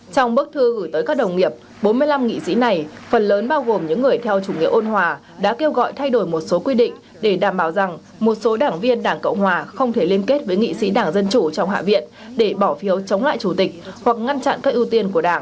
trong bức thư gửi tới các đồng nghiệp bốn mươi năm nghị sĩ này phần lớn bao gồm những người theo chủ nghĩa ôn hòa đã kêu gọi thay đổi một số quy định để đảm bảo rằng một số đảng viên đảng cộng hòa không thể liên kết với nghị sĩ đảng dân chủ trong hạ viện để bỏ phiếu chống lại chủ tịch hoặc ngăn chặn các ưu tiên của đảng